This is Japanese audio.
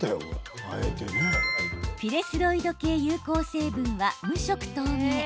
ピレスロイド系有効成分は無色透明。